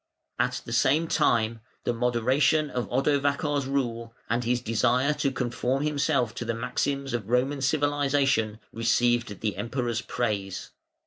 At the same time, the moderation of Odovacar's rule, and his desire to conform himself to the maxims of Roman civilisation, received the Emperor's praise.